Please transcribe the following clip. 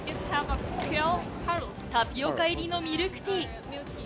タピオカ入りのミルクティー。